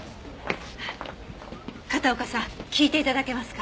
片岡さん聞いて頂けますか？